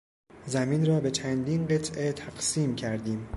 زمین را به چندین قطعه تقسیم کردیم.